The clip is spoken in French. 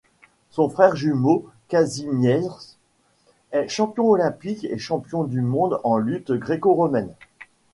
Son frère jumeau Kazimierz, est champion olympique et champion du monde en lutte gréco-romaine.